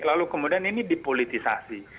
lalu kemudian ini dipolitisasi